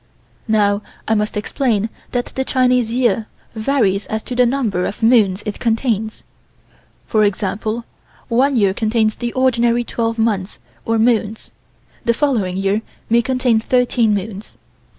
Now I must explain that the Chinese year varies as to the number of moons it contains. For example, one year contains the ordinary twelve months or moons. The following year may contain thirteen moons.